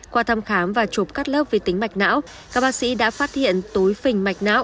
qua thăm khám và chụp các lớp về tính mạch não các bác sĩ đã phát hiện tối phình mạch não